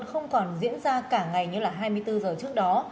không còn diễn ra cả ngày như là hai mươi bốn giờ trước đó